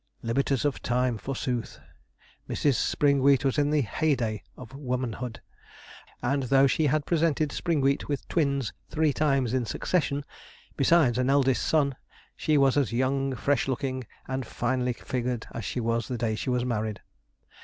Liberties of time, forsooth! Mrs. Springwheat was in the heighday of womanhood; and though she had presented Springwheat with twins three times in succession, besides an eldest son, she was as young, fresh looking, and finely figured as she was the day she was married.